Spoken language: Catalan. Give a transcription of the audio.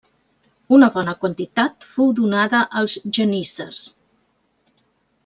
Una bona quantitat fou donada als geníssers.